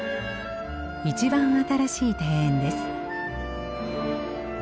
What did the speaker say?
一番新しい庭園です。